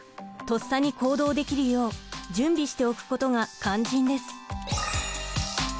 とっさに行動できるよう準備しておくことが肝心です。